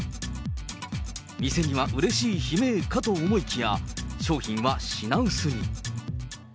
店にはうれしい悲鳴かと思いきや、商品は品薄に。